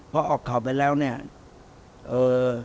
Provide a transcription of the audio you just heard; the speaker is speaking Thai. พอออกข่าวไปแล้วเนี่ยเออ